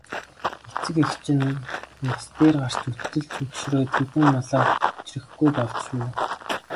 Эцэг эх чинь нас дээр гарч өтөлж хөгшрөөд хэдэн малаа хүчрэхгүй болж шүү.